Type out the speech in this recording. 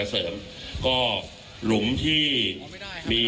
คุณผู้ชมไปฟังผู้ว่ารัฐกาลจังหวัดเชียงรายแถลงตอนนี้ค่ะ